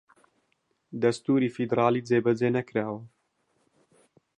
دەستووری فیدڕاڵی جێبەجێ نەکراوە